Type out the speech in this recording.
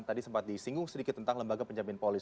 tadi sempat disinggung sedikit tentang lembaga penjamin polis